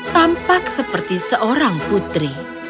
tampak seperti seorang putri